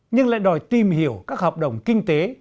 nhưng lại đòi tìm hiểu các hợp đồng kinh tế